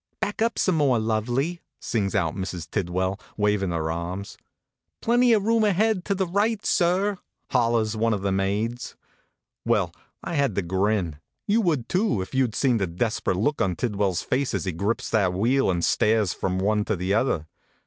"Back up some more, Lovey!" sings out Mrs. Tidwell, wavin her arms. " Plenty of room ahead to the right, sir !" hollers one of the maids. Well, I had to grin. You would too, if you d seen the desp rate look on Tidwell s face as he grips that wheel and stares from one to the other.